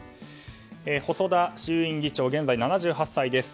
細田衆院議長、現在７８歳です。